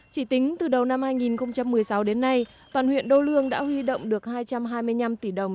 chỉ tính từ đầu năm hai nghìn một mươi sáu đến nay toàn huyện đô lương đã huy động được hai trăm hai mươi năm tỷ đồng